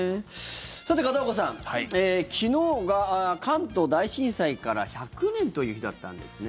さて片岡さん、昨日が関東大震災から１００年という日だったんですね。